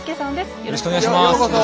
よろしくお願いします。